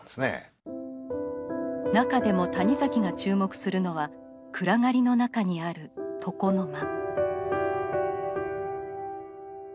中でも谷崎が注目するのは暗がりの中にある床の間。